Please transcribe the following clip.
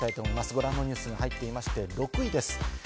ご覧のニュースが入っていて、６位です。